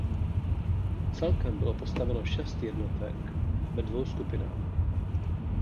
Celkem bylo postaveno šest jednotek ve dvou skupinách.